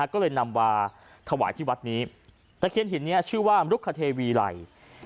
ก็เลยนำมาถวายที่วัดนี้ตะเคียนหินนี้ชื่อว่ามรุคเทวีไหล